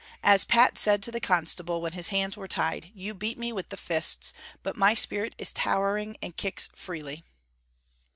As Pat said to the constable, when his hands were tied, You beat me with the fists, but my spirit is towering and kicks freely.'